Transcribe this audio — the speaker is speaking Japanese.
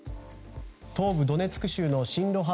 東部ドネツク州の親ロ派